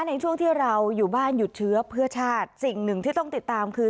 ในช่วงที่เราอยู่บ้านหยุดเชื้อเพื่อชาติสิ่งหนึ่งที่ต้องติดตามคือ